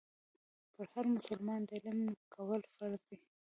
پر هر مسلمان د علم کول فرض دي.